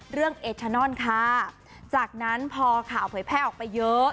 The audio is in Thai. เอทานอนค่ะจากนั้นพอข่าวเผยแพร่ออกไปเยอะ